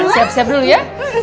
siap siap dulu ya